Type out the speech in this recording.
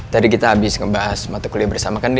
tadi kita abis ngebahas mata kuliah bersama kan din